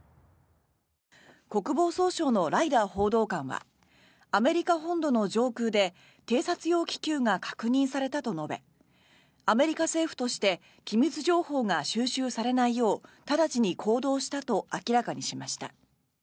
国防総省のライダー報道官はアメリカ本土の上空で偵察用気球が確認されたと述べアメリカ政府として機密情報が収集されないよう直ちに行動したと明らかにしました。